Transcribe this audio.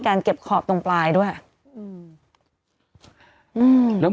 แต่หนูจะเอากับน้องเขามาแต่ว่า